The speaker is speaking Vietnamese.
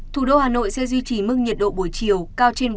thủ đô hà nội sẽ duy trì mức nhiệt độ buổi chiều cao trên ba mươi